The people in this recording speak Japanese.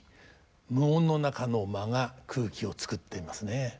無音の中の間が空気を作っていますね。